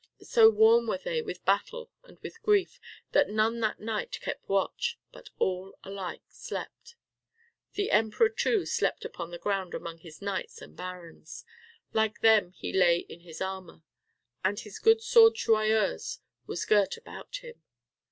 So worn were they with battle and with grief, that none that night kept watch, but all alike slept. The Emperor too slept upon the ground among his knights and barons. Like them he lay in his armor. And his good sword Joyeuse was girt about him.